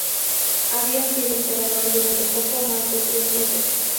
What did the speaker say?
Había sido emperador durante poco más de tres meses.